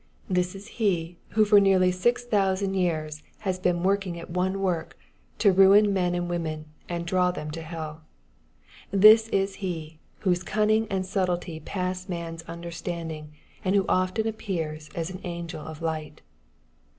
This is he, who for nearly 6000 years has been working at one work, to ruin men and women, and draw them to helL This is he, whose cunning and subtlety pass man's un derstanding, and who often appears " an angel of light."